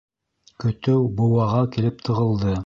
Көтөү быуаға килеп тығылды.